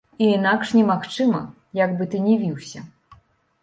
І інакш немагчыма, як бы ты ні віўся.